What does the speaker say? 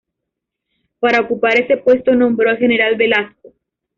Para ocupar ese puesto nombró al general Velazco.